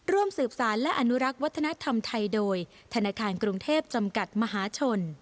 ร่วมสืบสารและอนุรักษ์วัฒนธรรมไทยโดยธนาคารกรุงเทพจำกัดมหาชน